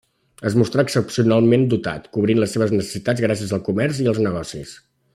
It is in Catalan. Es mostrà excepcionalment dotat, cobrint les seves necessitats gràcies al comerç i els negocis.